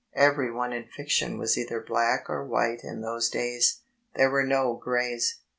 Every one in fiction was either black or white in those days. There were no grays.